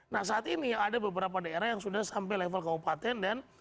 nah saat ini ada beberapa daerah yang sudah sampai level kabupaten dan